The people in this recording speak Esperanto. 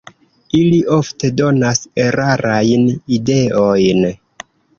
Ili ofte donas erarajn ideojn.